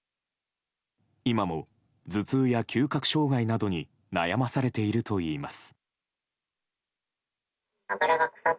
今も頭痛や嗅覚障害などに悩まされているといいます。